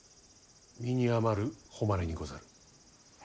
身に余る誉れにござる。